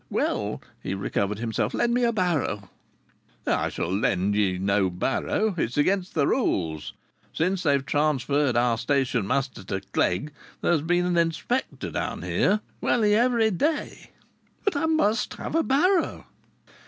"Well," he recovered himself. "Lend me a barrow." "I shall lend ye no barrow. It's against the rules. Since they transferred our stationmaster to Clegg there's been an inspector down here welly [well nigh] every day." "But I must have a barrow."